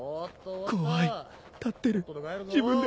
怖い立ってる自分で。